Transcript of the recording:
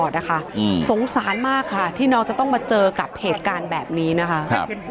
ใดที่ใช้อุปนีนะคะ